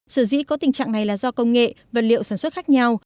sở dĩ có tình trạng này là do công nghệ vật liệu sản xuất khác nhau